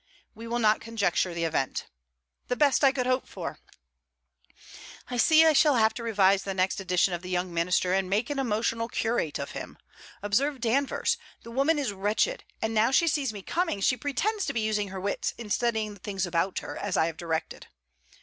'We will not conjecture the event.' 'The best I could hope for!' 'I see I shall have to revise the next edition of THE YOUNG MINISTER, and make an emotional curate of him. Observe Danvers. The woman is wretched; and now she sees me coming she pretends to be using her wits in studying the things about her, as I have directed.